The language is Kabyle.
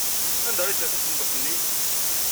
Anda ay yessers asenduq-nni?